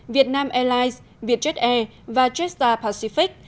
việt nam airlines vietjet air và jetstar pacific